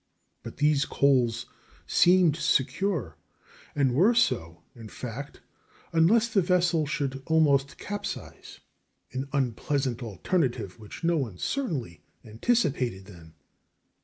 But these coals seemed secure, and were so, in fact, unless the vessel should almost capsize an unpleasant alternative which no one certainly anticipated then.